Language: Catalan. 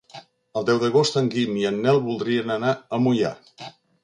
El deu d'agost en Guim i en Nel voldrien anar a Moià.